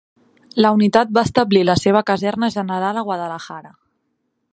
La unitat va establir la seva caserna general a Guadalajara.